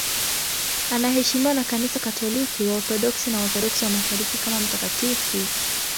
Anaheshimiwa na Kanisa Katoliki, Waorthodoksi na Waorthodoksi wa Mashariki kama mtakatifu.